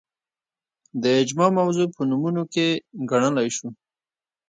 د اجماع موضوع په نمونو کې ګڼلای شو